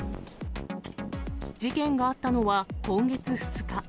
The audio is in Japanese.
事件があったのは今月２日。